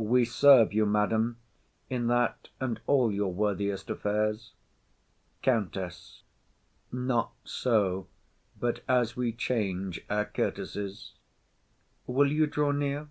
We serve you, madam, In that and all your worthiest affairs. COUNTESS. Not so, but as we change our courtesies. Will you draw near?